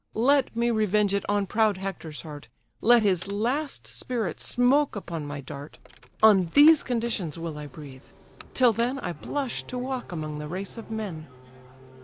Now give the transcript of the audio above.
Let me revenge it on proud Hector's heart, Let his last spirit smoke upon my dart; On these conditions will I breathe: till then, I blush to walk among the race of men."